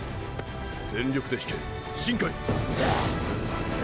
全力で引け新開。